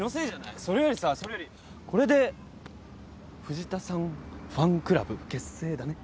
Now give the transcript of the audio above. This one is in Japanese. それよりさそれよりこれで藤田さんファンクラブ結成だね。